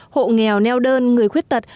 hộ nghèo neo đơn người khuyết tật